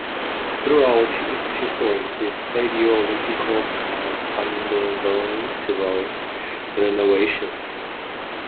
Throughout its history, the Stadio Olimpico has undegone several renovations.